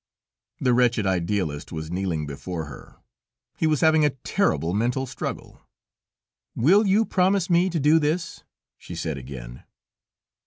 The wretched Idealist was kneeling before her; he was having a terrible mental struggle. "Will you promise me to do this?" she said again.